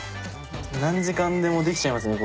何時間でもできちゃいますね